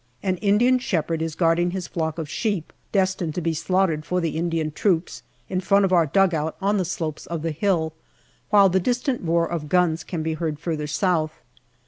An Indian shepherd is guarding his flock of sheep (destined to be slaughtered for the Indian troops) in front of our dugout on the slopes of the hill, while the distant roar of guns can be heard further south.